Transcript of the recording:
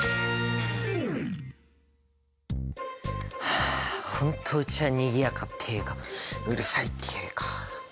はあ本当うちはにぎやかっていうかうるさいっていうか。